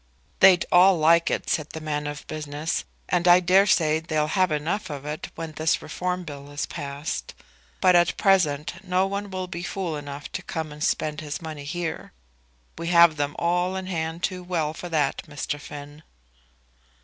"They'd all like it," said the man of business; "and I daresay they'll have enough of it when this Reform Bill is passed; but at present no one will be fool enough to come and spend his money here. We have them all in hand too well for that, Mr. Finn!"